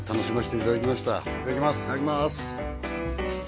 いただきます